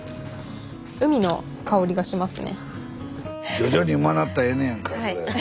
徐々にうまなったらええねやんかそれね。